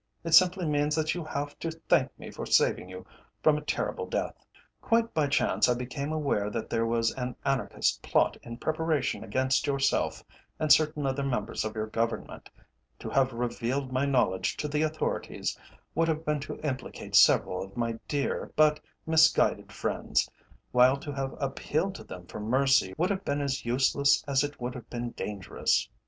It simply means that you have to thank me for saving you from a terrible death. Quite by chance I became aware that there was an anarchist plot in preparation against yourself and certain other members of your Government. To have revealed my knowledge to the Authorities would have been to implicate several of my dear, but misguided, friends, while to have appealed to them for mercy would have been as useless as it would have been dangerous.